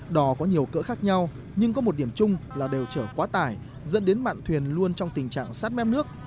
đò có nhiều cỡ khác nhau nhưng có một điểm chung là đều chở quá tải dẫn đến mặn thuyền luôn trong tình trạng sát mép nước